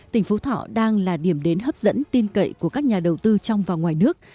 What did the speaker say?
tỉnh phú thọ đang là điểm đến hấp dẫn tin cậy của các nhà đầu tư trong và ngoài nước